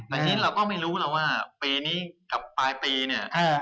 แต่ทีนี้เราก็ไม่รู้แล้วว่าปีนี้กับปลายปีเนี่ย